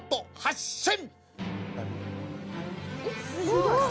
すごい！